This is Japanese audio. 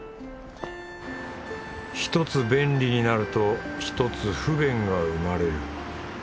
１つ便利になると１つ不便が生まれる。